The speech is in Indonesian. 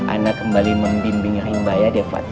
anak kembali membimbing rimba ya devati